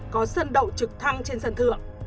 có sân đậu trực thăng trên sân thượng